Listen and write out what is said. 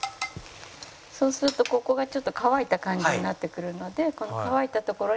そうするとここがちょっと乾いた感じになってくるのでこの乾いた所にまた油を。